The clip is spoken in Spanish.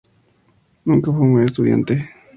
Nunca fue un buen estudiante.